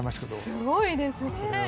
すごいですね。